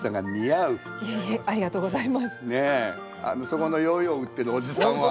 そこのヨーヨー売ってるおじさんは？